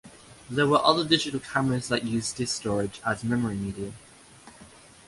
There were other digital cameras that used disk storage as memory media.